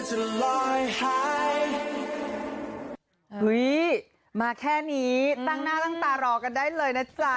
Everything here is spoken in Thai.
มาแค่นี้ตั้งหน้าตั้งตารอกันได้เลยนะจ๊ะ